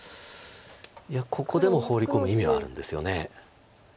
いやここでもホウリ込む意味はあるんですよね。